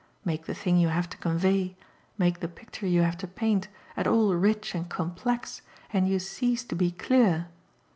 Make the thing you have to convey, make the picture you have to paint, at all rich and complex, and you cease to be clear.